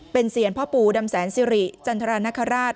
เป็นเซียนพ่อปู่ดำแสนสิริจันทรานคราช